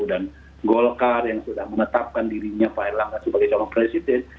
dan golkar yang sudah menetapkan dirinya pak erlangas sebagai calon presiden